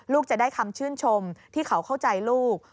ลูกจะได้คำชื่นชมที่เขาเข้าใจลูก